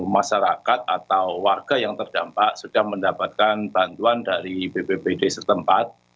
masyarakat atau warga yang terdampak sudah mendapatkan bantuan dari bppd setempat